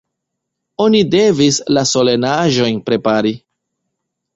Oni devis la solenaĵojn prepari.